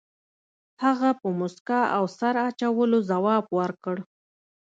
هغه په موسکا او سر اچولو ځواب ورکړ.